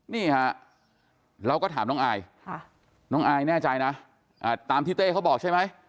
นี่ฮะเราก็ถามน้องอายน้องอายแน่ใจนะตามที่เต้เขาบอกใช่ไหม